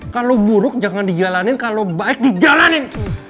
kalo buruk jangan dijalanin kalo baik dijalanin